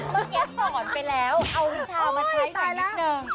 เมื่อกี้สอนไปแล้วเอาวิชามาใช้หน่อยนิดนึง